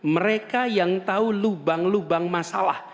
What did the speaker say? mereka yang tahu lubang lubang masalah